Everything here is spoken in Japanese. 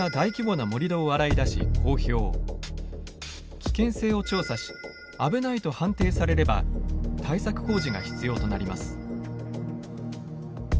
危険性を調査し危ないと判定されれば対策工事が必要となります。